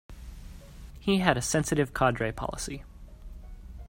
He had a sensitive cadre policy.